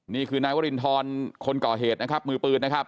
นี่คือนายวรินทรคนก่อเหตุนะครับมือปืนนะครับ